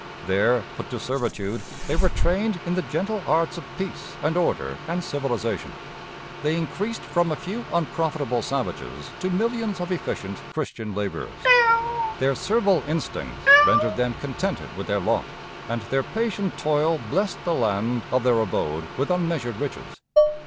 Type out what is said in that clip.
There, put to servitude, they were trained in the gentle arts of peace and order and civilization; they increased from a few unprofitable savages to millions of efficient Christian laborers. Their servile instincts rendered them contented with their lot, and their patient toil blessed the land of their abode with unmeasured riches.